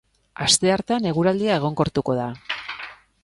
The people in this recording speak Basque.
Asteartean eguraldia egonkortuko da.